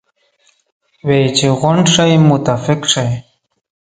وې چې غونډ شئ متفق شئ.